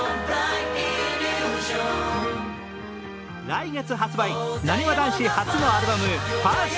来月発売、なにわ男子初のアルバム、「１ｓｔＬｏｖｅ」。